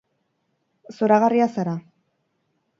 Zoragarria zara.